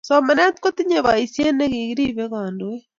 somanet kotinyei paisiet nekiripei kandoik